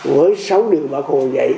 với sáu điều bác hồ dạy